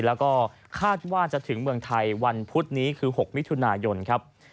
แล้วก็คาดว่าจะถึงเมืองไทยวันพุธนี้คือ๖มิถุนายนครับ